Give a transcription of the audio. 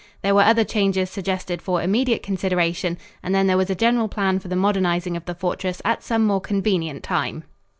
There were other changes suggested for immediate consideration, and then there was a general plan for the modernizing of the fortress at some more convenient time.